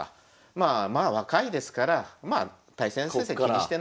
まあ若いですからまあ対戦成績気にしてないと。